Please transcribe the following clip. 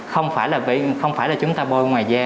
không phải là chúng ta bôi ngoài da